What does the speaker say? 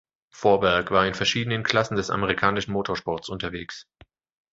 Forberg war in verschiedenen Klassen des amerikanischen Motorsports unterwegs.